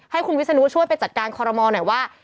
ให้คุณวิศนุช่วยไปจัดการคอรมอลหน่อยว่า